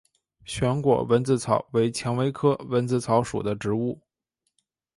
旋果蚊子草为蔷薇科蚊子草属的植物。